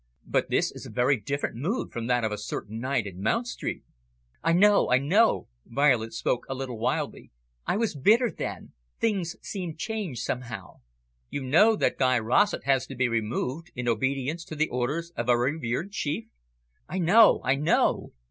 "But this is a very different mood from that of a certain night at Mount Street." "I know, I know." Violet spoke a little wildly. "I was very bitter then. Things seemed changed somehow." "You know that Guy Rossett has to be `removed,' in obedience to the orders of our revered chief?" "I know, I know."